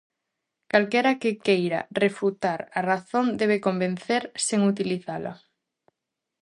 Calquera que queira refutar a razón debe convencer sen utilizala.